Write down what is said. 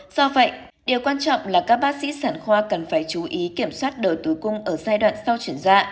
do vậy điều quan trọng là các bác sĩ sản khoa cần phải chú ý kiểm soát đợt túi cung ở giai đoạn sau chuyển dạ